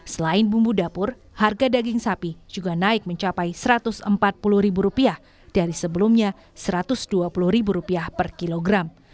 selain bumbu dapur harga daging sapi juga naik mencapai rp satu ratus empat puluh dari sebelumnya rp satu ratus dua puluh per kilogram